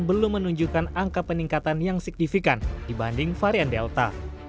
belum menunjukkan angka peningkatan yang signifikan dibanding varian delta